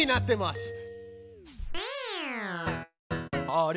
あれ？